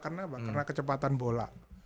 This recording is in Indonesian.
karena kecepatan bola